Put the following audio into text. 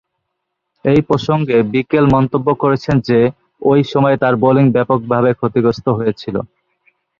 এ প্রসঙ্গে বিকেল মন্তব্য করেছেন যে, ঐ সময়ে তার বোলিং ব্যাপকভাবে ক্ষতিগ্রস্ত হয়েছিল।